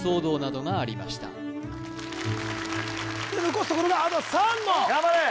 残すところがあと３問頑張れ！